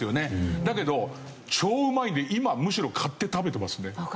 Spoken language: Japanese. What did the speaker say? だけど超うまいんで今むしろ買って食べてますね。